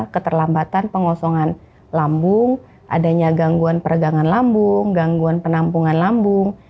keterlambatan pengosongan lambung adanya gangguan peregangan lambung gangguan penampungan lambung